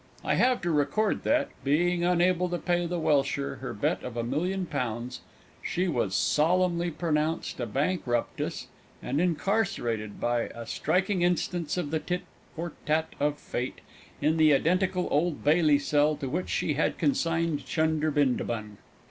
I have to record that, being unable to pay the welsher her bet of a million pounds, she was solemnly pronounced a bankruptess and incarcerated (by a striking instance of the tit for tat of Fate) in the identical Old Bailey cell to which she had consigned Chunder Bindabun!